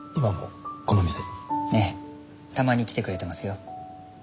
ええたまに来てくれてますよ。